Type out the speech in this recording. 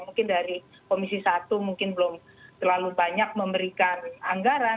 mungkin dari komisi satu mungkin belum terlalu banyak memberikan anggaran